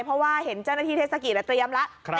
เพราะว่าเห็นเจ้าหน้าที่เทศกิจเตรียมแล้ว